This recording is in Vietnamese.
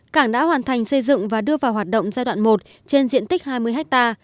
cảng đã hoàn thành xây dựng và đưa vào hoạt động giai đoạn một trên diện tích hai mươi ha